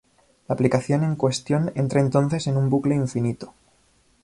La aplicación en cuestión entra entonces en un bucle infinito.